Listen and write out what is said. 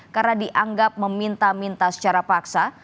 karena dianggap meminta minta secara paksa